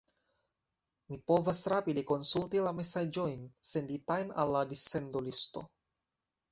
Mi povas rapide konsulti la mesaĝojn senditajn al la dissendolisto...